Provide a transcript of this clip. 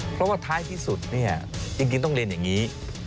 เพราะว่าท้ายที่สุดเนี่ยจริงต้องเรียนอย่างนี้